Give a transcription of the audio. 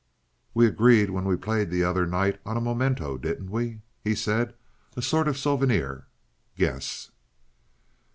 "We agreed when we played the other night on a memento, didn't we?" he said. "A sort of souvenir? Guess?"